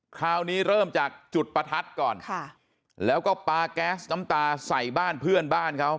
คราวนี้เริ่มจากจุดประทัดก่อนค่ะแล้วก็ปลาแก๊สน้ำตาใส่บ้านเพื่อนบ้านเขา